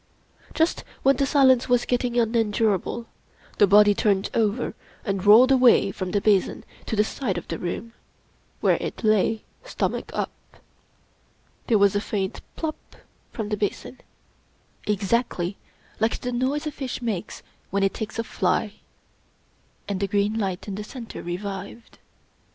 Just when the silence was getting unendurable, the body turned over and rolled away from the basin to the side of the room, where it lay stomach up. There was a faint " plop " from the basin— exactly like the noise a fish makes when it takes a fly — ^and the green light in the center re vived.